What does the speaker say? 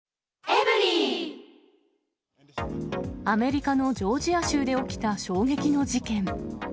アメリカのジョージア州で起きた衝撃の事件。